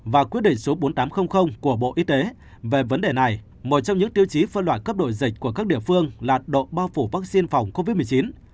và quyết định số bốn nghìn tám trăm linh của bộ y tế về vấn đề này một trong những tiêu chí phân loại cấp đổi dịch của các địa phương là độ bao phủ vaccine phòng covid một mươi chín